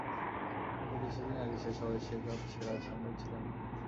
তবে কিছুদিন আগে শেষ হওয়া এশিয়া কাপ সেরা ছন্দে ছিলেন না।